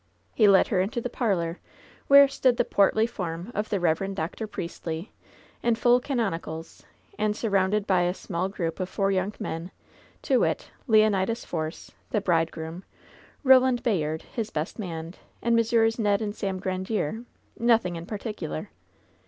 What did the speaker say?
He led her into the parlor, where stood the portly form of the Rev. Dr. Priestly, in full canonicals, and surrounded by a small group of four young men — ^to 84 LOVERS BITTEREST CUP wit: Leonidas Force, the bridegroom; Boland Bayard, his best man; and Messrs. Ked and Sam Grandiere, nothing in particular.